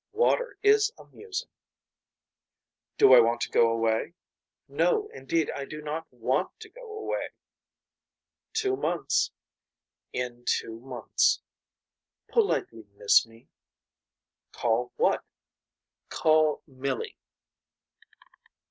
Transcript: Water is amusing. Do I want to go away. No indeed I do not want to go away. Two months. In two months. Politely miss me. Call what. Call Milly.